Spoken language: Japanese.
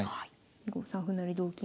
５三歩成同金